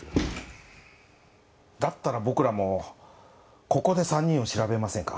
だったら僕らもここで３人を調べませんか？